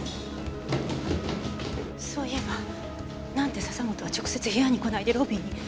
そういえばなんで笹本は直接部屋に来ないでロビーに。